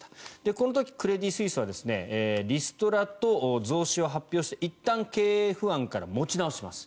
この時、クレディ・スイスはリストラと増資を発表していったん経営不安から持ち直します。